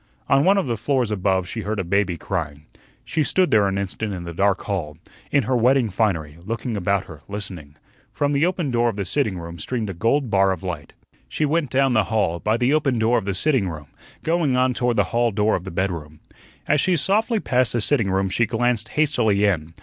On one of the floors above she heard a baby crying. She stood there an instant in the dark hall, in her wedding finery, looking about her, listening. From the open door of the sitting room streamed a gold bar of light. She went down the hall, by the open door of the sitting room, going on toward the hall door of the bedroom. As she softly passed the sitting room she glanced hastily in.